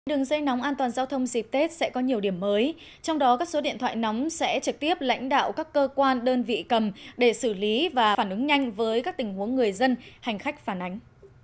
đường dây nóng an toàn giao thông dịp tết sẽ có nhiều điểm mới trong đó các số điện thoại nóng sẽ trực tiếp lãnh đạo các cơ quan đơn vị cầm để xử lý và phản ứng nhanh với các tình huống người dân hành khách phản ánh